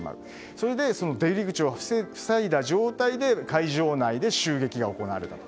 それで出入り口を塞いだ状態で会場内で襲撃が行われたと。